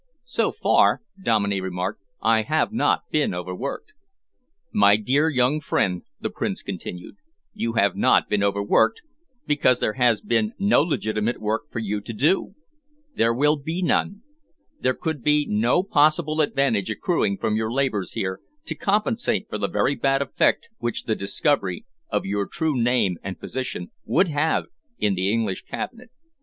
"So far," Dominey remarked, "I have not been overworked." "My dear young friend," the Prince continued, "you have not been overworked because there has been no legitimate work for you to do. There will be none. There could be no possible advantage accruing from your labours here to compensate for the very bad effect which the discovery of your true name and position would have in the English Cabinet."